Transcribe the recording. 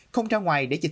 không ra ngoài để dịch bệnh